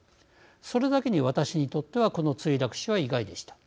それだけに、私にとってはこの墜落死は意外でした。